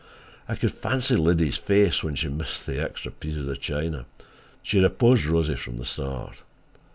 I could fancy Liddy's face when she missed the extra pieces of china—she had opposed Rosie from the start.